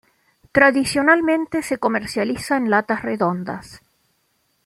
Tradicionalmente se comercializa en latas redondas.